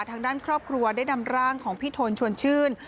ทางด้านครอบครัวได้นำร่างของพี่โทนชวนชื่น